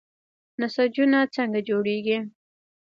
نسجونه څنګه جوړیږي؟